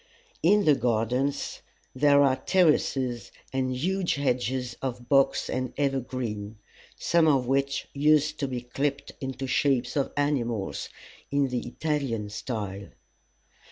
In the gardens there are terraces and huge hedges of box and evergreen, some of which used to be clipped into shapes of animals, in the Italian style.